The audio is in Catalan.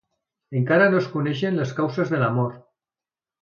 Encara no es coneixen les causes de la mort.